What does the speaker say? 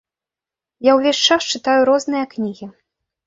Я ўвесь час чытаю розныя кнігі.